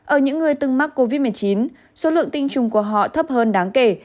ở những người từng mắc covid một mươi chín số lượng tinh trùng của họ thấp hơn đáng kể